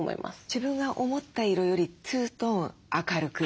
自分が思った色より２トーン明るく？